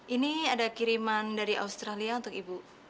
ini ada kiriman dari australia untuk ibu